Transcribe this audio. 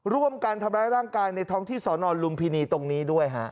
ร่วมกันทำร้ายร่างกายในท้องที่สอนอนลุมพินีตรงนี้ด้วยฮะ